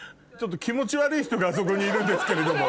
気持ち悪い人があそこにいるんですけれども。